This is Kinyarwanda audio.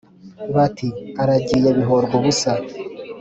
bati : aragiye bihorwubusa